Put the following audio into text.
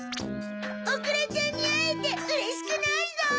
おくらちゃんにあえてうれしくないぞ！